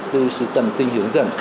từ sự tầm tin hướng dẫn